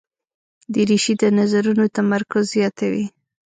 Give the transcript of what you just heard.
دریشي د نظرونو تمرکز زیاتوي.